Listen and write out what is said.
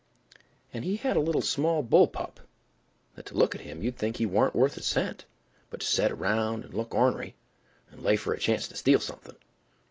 And he had a little small bull pup, that to look at him you'd think he warn't worth a cent but to set around and look ornery and lay for a chance to steal something.